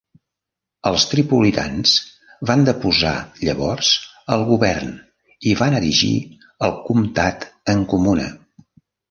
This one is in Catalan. Els tripolitans van deposar llavors el govern i van erigir el comtat en comuna.